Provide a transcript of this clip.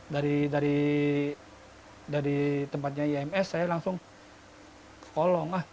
dari tempatnya ims saya langsung ke kolong lah